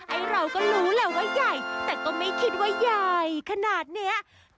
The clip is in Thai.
ไอ้เราก็รู้แหละว่าใหญ่แต่ก็ไม่คิดว่าใหญ่ขนาดนี้